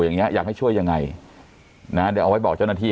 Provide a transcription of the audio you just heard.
อย่างเงี้อยากให้ช่วยยังไงนะเดี๋ยวเอาไว้บอกเจ้าหน้าที่